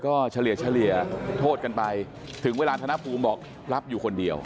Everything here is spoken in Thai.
ก็เฉลี่ยโทษกันไปถึงเวลาธนภูมิบอกรับอยู่คนเดียว